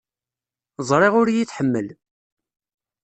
Ẓriɣ ur iyi-tḥemmel.